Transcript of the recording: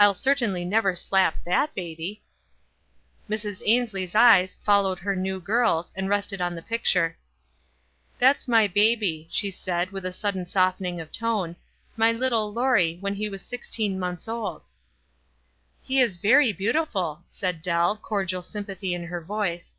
"I'll certainly never slap that baby." Mrs. Aiuslie's eyes followed her new girl's, and rested on the picture. 20 306 WISE AND OTHERWISE, "That's my baby," she said, with a sudden softening of tone, —" my little Laurie, when he was sixteen months old." "He is very beautiful," said Dell, cordial sympathy in her voice.